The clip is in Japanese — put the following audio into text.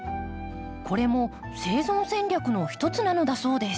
これも生存戦略の一つなのだそうです。